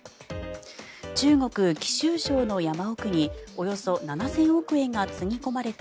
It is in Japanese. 中国・貴州省の山奥におよそ７０００億円がつぎ込まれた